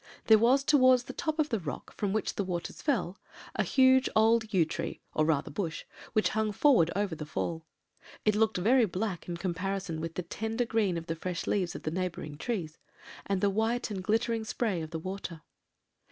There was towards the top of the rock from which the waters fell a huge old yew tree, or rather bush, which hung forward over the fall. It looked very black in comparison with the tender green of the fresh leaves of the neighbouring trees, and the white and glittering spray of the water.